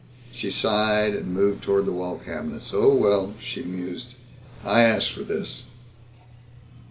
She sighed and moved toward the wall cabinets. "Oh well," she mused, "I asked for this."